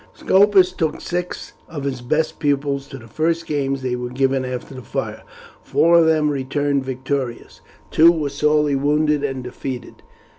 Scopus took six of his best pupils to the first games that were given after the fire. Four of them returned victorious, two were sorely wounded and defeated.